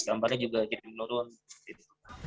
jadi kita bisa menurunkan